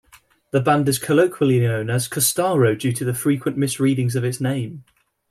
The band is colloquially known as "Custaro" due to frequent misreadings of its name.